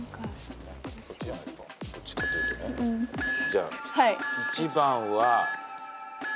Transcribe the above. じゃあ１番は。